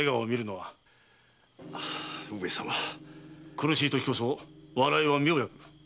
苦しいときこそ笑いは妙薬だ。